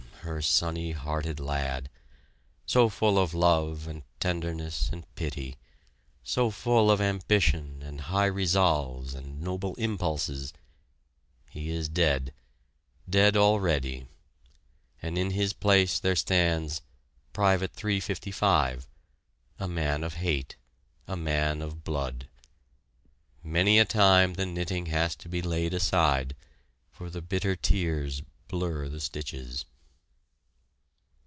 her sunny hearted lad! So full of love and tenderness and pity, so full of ambition and high resolves and noble impulses, he is dead dead already and in his place there stands "private 355" a man of hate, a man of blood! Many a time the knitting has to be laid aside, for the bitter tears blur the stitches.